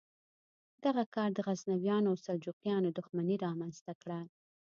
دغه کار د غزنویانو او سلجوقیانو دښمني رامنځته کړه.